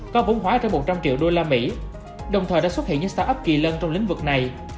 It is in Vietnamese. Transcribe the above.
có vốn hóa trên một trăm linh triệu usd đồng thời đã xuất hiện những start up kỳ lân trong lĩnh vực này